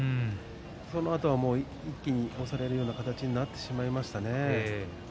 そのあとは一気に押されるような形になってしまいましたね。